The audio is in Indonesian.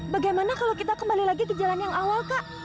bagaimana kalau kita kembali lagi ke jalan yang awal kak